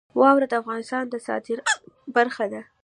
واوره د افغانستان د صادراتو برخه ده.